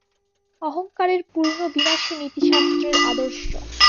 অহঙ্কারের পূর্ণ বিনাশই নীতিশাস্ত্রের আদর্শ।